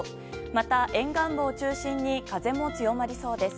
また、沿岸部を中心に風も強まりそうです。